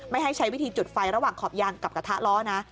ให้ใช้วิธีจุดไฟระหว่างขอบยางกับกระทะล้อนะ